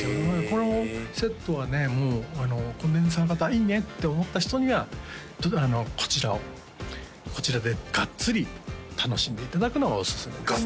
このセットはねもうコンデンサー型いいねって思った人にはちょっとこちらをこちらでがっつり楽しんでいただくのがおすすめです